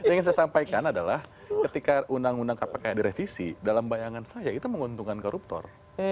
yang ingin saya sampaikan adalah ketika undang undang kpk direvisi dalam bayangan saya itu menguntungkan koruptor